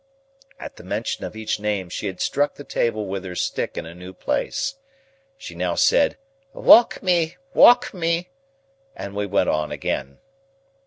At the mention of each name, she had struck the table with her stick in a new place. She now said, "Walk me, walk me!" and we went on again.